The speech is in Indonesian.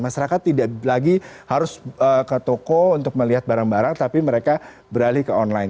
masyarakat tidak lagi harus ke toko untuk melihat barang barang tapi mereka beralih ke online